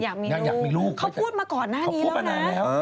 อยากมีลูกนางอยากมีลูกเขาพูดมาก่อนหน้านี้แล้วนะเขาพูดมานานแล้ว